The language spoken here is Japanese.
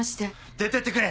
出てってくれ。